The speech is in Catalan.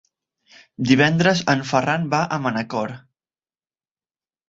Divendres en Ferran va a Manacor.